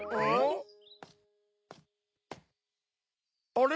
あれ？